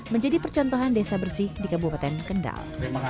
menjadi percontohan desa bersih di kabupaten kendal